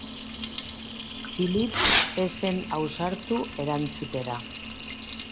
Philippe ez zen ausartu erantzutera.